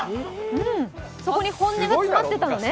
そこに本音が詰まってたのね。